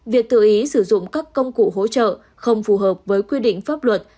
việc tự ý sử dụng các công cụ hỗ trợ không phù hợp với quy định pháp luật